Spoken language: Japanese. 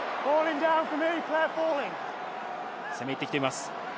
攻めいってきています。